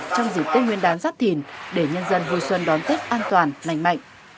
trong dịp tết nguyên đán giáp thìn để nhân dân vui xuân đón tết an toàn lành mạnh